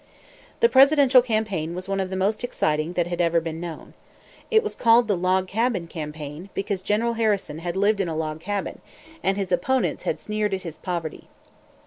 The presidential campaign was one of the most exciting that had ever been known. It was called the "log cabin" campaign, because General Harrison had lived in a log cabin, and his opponents had sneered at his poverty.